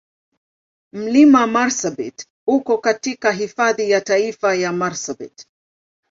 Mlima Marsabit uko katika Hifadhi ya Taifa ya Marsabit.